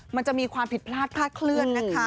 มันจะมีความผิดพลาดคลาดเคลื่อนนะคะ